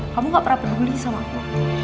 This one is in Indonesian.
kamu gak pernah peduli sama aku